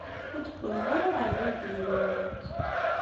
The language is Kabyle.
Ur d-wwiḍeɣ ara ɣer da uqbel-nwent.